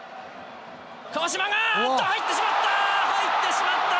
川島があっと入ってしまった！